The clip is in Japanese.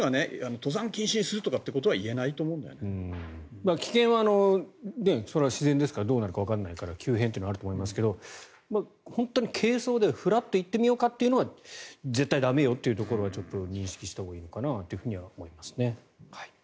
登山禁止にするとかっていうことは危険はそれは自然ですからどうなるかわからないから急変というのはあると思いますが本当に軽装で、ふらっと行ってみようかっていうのは絶対駄目よというところは認識したほうがいいかなとは思います。